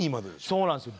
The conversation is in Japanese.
そうなんですよ。